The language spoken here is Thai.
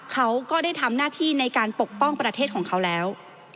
เขาก็ได้ทำหน้าที่ในการปกป้องประเทศของเขาแล้ว